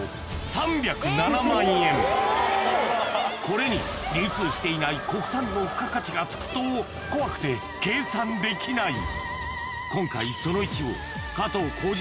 これに流通していない国産の付加価値が付くと怖くて計算できない